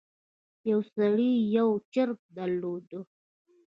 یو سړي یو چرګ درلود.